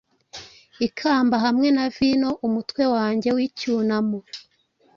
Ikamba hamwe na vino umutwe wanjye wicyunamo,